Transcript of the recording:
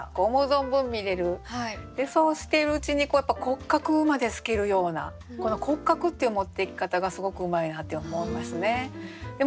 そうしているうちにやっぱ骨格まで透けるようなこの「骨格」っていう持っていき方がすごくうまいなって思いますね。